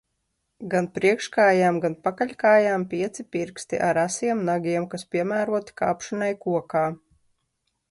Gan priekškājām, gan pakaļkājām pieci pirksti ar asiem nagiem, kas piemēroti kāpšanai kokā.